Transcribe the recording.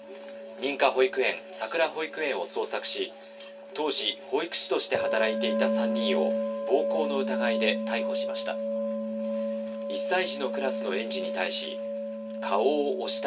認可保育園さくら保育園を捜索し当時、保育士として働いていた３人を暴行の疑いで逮捕しました。